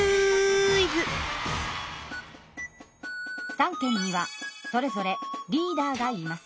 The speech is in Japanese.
三権にはそれぞれリーダーがいます。